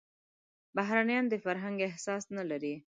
بهرنيان د فرهنګ احساس نه لري.